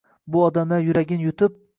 Bu odamlar yuragin yutib